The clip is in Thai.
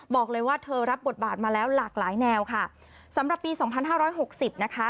บอกเลยว่าเธอรับบทบาทมาแล้วหลากหลายแนวค่ะสำหรับปีสองพันห้าร้อยหกสิบนะคะ